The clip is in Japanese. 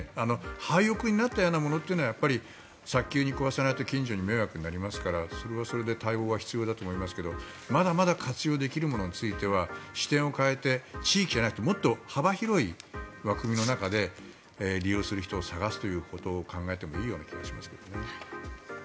廃屋になったようなものというのは早急に壊さないと近所に迷惑になりますからそれはそれで対応が必要だと思いますがまだまだ活用できるものについては視点を変えて地域じゃなくてもっと幅広い枠組みの中で利用する人を探すということを考えてもいいような気がしますけどね。